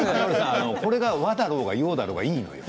あのこれが和だろうが洋だろうがいいのよ。